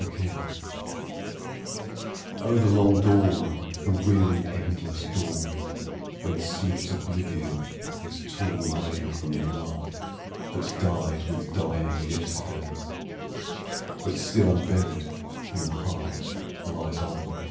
WAKING Oh, the long dawn, the weary, endless dawn, When sleep's oblivion is torn away From love that died with dying yesterday But still unburied in the heart lies on!